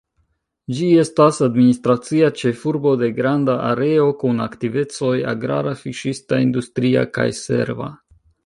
Ĝi estas administracia ĉefurbo de granda areo, kun aktivecoj agrara, fiŝista, industria kaj serva.